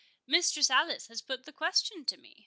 Mistress Alice has put the question to me.